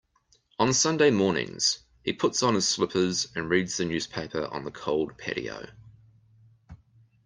On Sunday mornings, he puts on his slippers and reads the newspaper on the cold patio.